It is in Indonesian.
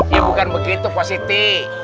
ya bukan begitu positi